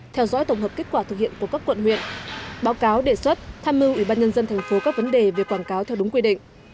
theo dõi tổng hợp kết quả thực hiện của các quận huyện báo cáo đề xuất tham mưu ủy ban nhân dân thành phố các vấn đề về quảng cáo theo đúng quy định